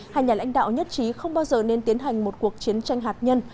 hai nhà lãnh đạo nhất trí không bao giờ nên tiến hành một cuộc chiến tranh hạt nhân